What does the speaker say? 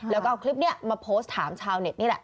แล้วก็เอาคลิปนี้มาโพสต์ถามชาวเน็ตนี่แหละ